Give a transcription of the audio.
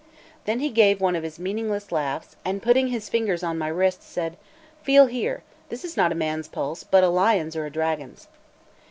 Then he gave one of his meaningless laughs, and putting his fingers on my wrist, said: "Feel here; this is not a man's pulse, but a lion's or a dragon's."